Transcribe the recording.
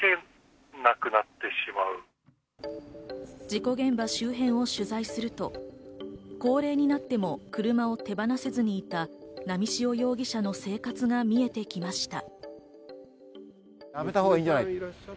事故現場周辺を取材すると、高齢になっても車を手放せずにいた波汐容疑者の生活が見えてきました。